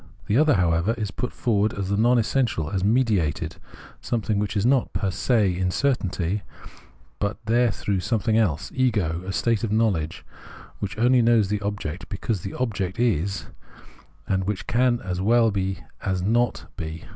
The other, however, is put forward as the non essential, as mediated, something which is not per se in the certainty, but there through something else, ego, a state of knowledge which only knows the object be cause the object is, and which can as well be as not be.